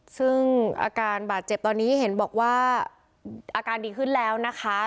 ซึ่งอาการบาดเจ็บตอนนี้เห็นบอกว่าอาการดีขึ้นแล้วนะคะ